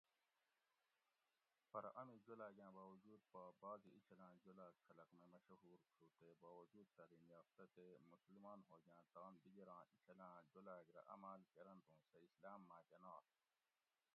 پرہ امی جولاگاۤں باوجود پا بعض اینچھلاۤں جولاۤگ خلق مئی مشہور تھو تے باوجود تعلیم یافتہ تے مسلمان ہوگاۤں تام دِگیراں اینچھلاں جولاگ رہ عماۤل کۤرنت اوں سہ اسلام ماکہ نات